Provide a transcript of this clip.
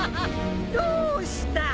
どうした？